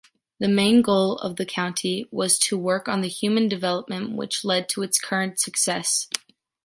The main goal of the country was to work on the human development which lead to its current success.